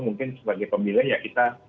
mungkin sebagai pemilih ya kita